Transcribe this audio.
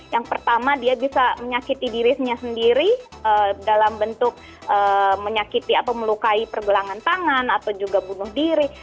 yang pertama dia bisa menyakiti diri sendiri dalam bentuk menyakiti atau melukai pergelangan tangan atau juga bunuh diri